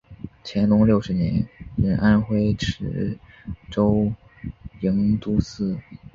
乾隆六十年任安徽池州营都司。